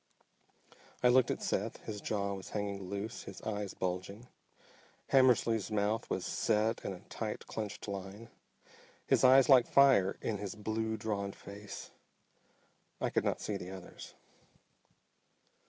I looked at Seth. His jaw was hanging loose, his eyes bulging. Hammersly's mouth was set in a tight clenched line, his eyes like fire in his blue, drawn face. I could not see the others.